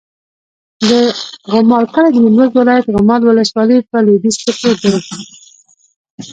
د غمال کلی د نیمروز ولایت، غمال ولسوالي په لویدیځ کې پروت دی.